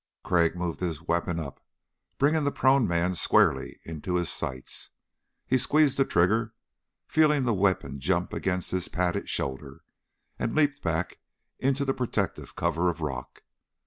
Crag moved his weapon up, bringing the prone man squarely into his sights. He squeezed the trigger, feeling the weapon jump against his padded shoulder, and leaped back into the protective cover of rock.